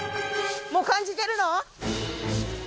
もう感じてるの？